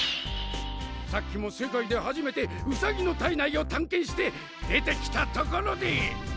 さっきも世界で初めてウサギの体内を探検して出てきたところで。